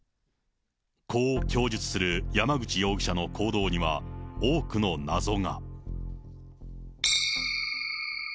こう供述する山口容疑者の行動には、多くの謎が。